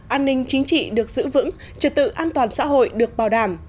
an ninh chính trị được giữ vững trật tự an toàn xã hội được bảo đảm